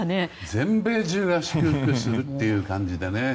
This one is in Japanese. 全米中が祝福するって感じでね。